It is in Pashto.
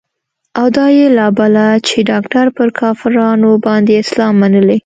او دا يې لا بله چې ډاکتر پر کافرانو باندې اسلام منلى.